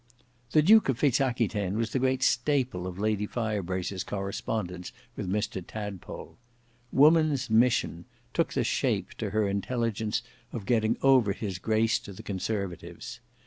The Duke of Fitz Aquitaine was the great staple of Lady Firebrace's correspondence with Mr Tadpole. "Woman's mission" took the shape to her intelligence of getting over his grace to the conservatives.